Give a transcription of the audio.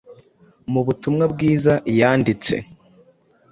Mu Butumwa Bwiza yanditse,